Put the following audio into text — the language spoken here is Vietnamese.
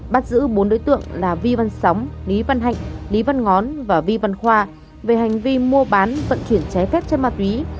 bắt giữ bốn đối tượng là vi văn sóng lý văn hạnh lý văn ngón và vi văn khoa về hành vi mua bán vận chuyển trái phép chất ma túy